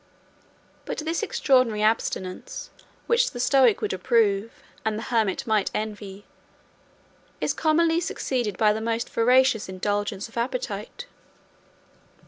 But this extraordinary abstinence, which the Stoic would approve, and the hermit might envy, is commonly succeeded by the most voracious indulgence of appetite.